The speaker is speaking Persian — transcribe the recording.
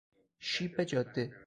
شیب جاده